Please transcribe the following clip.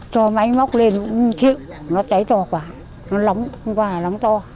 cho máy móc lên cũng chịu nó cháy to quá nó lóng không có nào lóng to